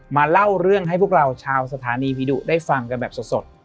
มาเล่าเรื่องให้พวกเราชาวสถานีผีดุได้ฟังกันแบบสด